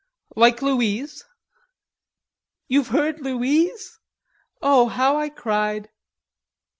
"Like Louise?" "You've heard Louise? Oh, how I cried."